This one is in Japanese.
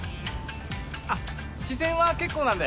あっ視線は結構なんで。